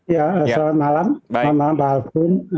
ya selamat malam selamat malam pak alvin